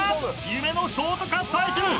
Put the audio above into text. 夢のショートカットアイテム。